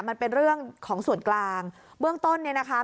มันเป็นเรื่องของส่วนกลางเบื้องต้นเนี่ยนะคะ